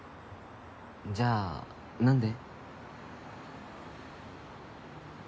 じゃあ何で？